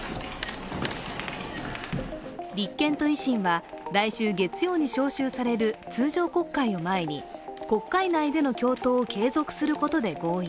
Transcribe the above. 立憲と維新は、来週月曜に召集される通常国会を前に国会内での共闘を継続することで合意。